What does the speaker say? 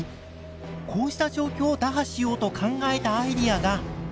こうした状況を打破しようと考えたアイデアが。